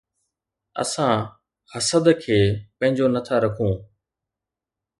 اسان حسد کي پنهنجو نه ٿا رکون